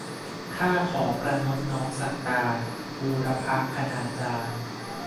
ข้าขอประณตน้อมสักการ บูรพคณาจารย์